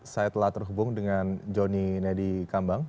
saya telah terhubung dengan jonny nedi kambang